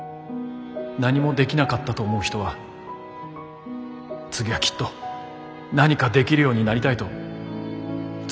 何もできなかったと思う人は次はきっと何かできるようになりたいと強く思うでしょ？